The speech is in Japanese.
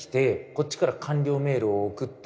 こっちから完了メールを送って